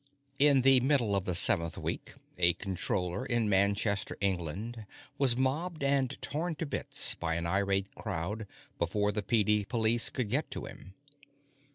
In the middle of the seventh week, a Controller in Manchester, England, was mobbed and torn to bits by an irate crowd before the PD Police could get to him.